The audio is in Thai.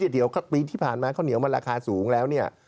เดี๋ยวปีที่ผ่านมาข้าวเหนียวมันราคาสูงแล้วเนี่ย